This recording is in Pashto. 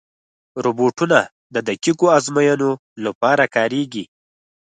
روبوټونه د دقیقو ازموینو لپاره کارېږي.